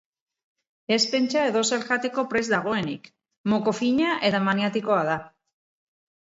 Ez pentsa edozer jateko prest dagoenik, mokofina eta maniatikoa da.